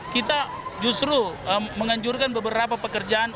kita justru menganjurkan beberapa pekerjaan